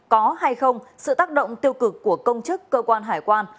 có hay không sự tác động tiêu cực của công chức cơ quan hải quan